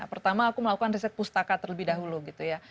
pertama aku melakukan riset pustaka terlebih dahulu gitu ya